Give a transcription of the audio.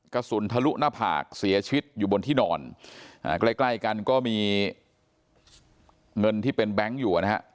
กระสุนทะลุหน้าผากเสียชีวิตอยู่บนที่นอนอ่าใกล้ใกล้กันก็มีเงินที่เป็นแบงค์อยู่นะฮะ